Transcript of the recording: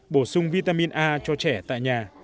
bổ sung vitamin a cho trẻ tại nhà